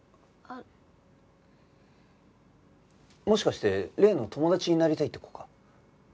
もしかして例の友達になりたいって子か？